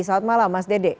selamat malam mas dede